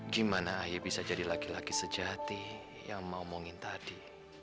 gimana akhirnya bisa jadi laki laki sejati yang mau omongin tadi